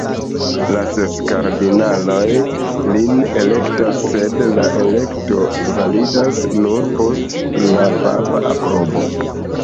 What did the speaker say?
La ses kardinaloj lin elektas, sed la elekto validas nur post la papa aprobo.